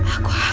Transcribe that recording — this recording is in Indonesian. aku haus darah